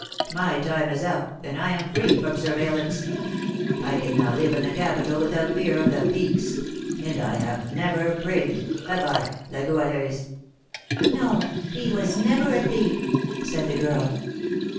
My time is up, and I am free from surveillance. I can now live in the capital, without fear of the 'beaks;' and I have never prigged, have I, La Goualeuse?" "No, he was never a thief," said the girl.